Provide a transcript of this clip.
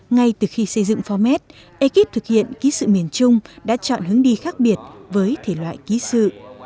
ngay từ khi xây dựng format ekip thực hiện ký sự miền trung đã chọn hướng đi khác biệt với thể loại ký sự